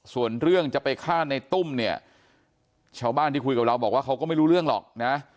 ส่วนเรื่องจะไปฆ่าในตุ้มเนี่ยชาวบ้านที่คุยกับเราบอกว่าเขาก็ไม่รู้เรื่องหรอกนะ